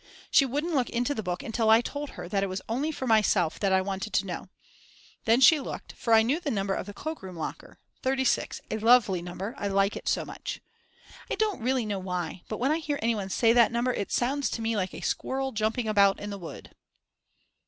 She wouldn't look into the book until I told her that it was only for myself that I wanted to know. Then she looked, for I knew the number of the cloak room locker: 36, a lovely number, I like it so much. I don't really know why, but when I hear anyone say that number it sounds to me like a squirrel jumping about in the wood.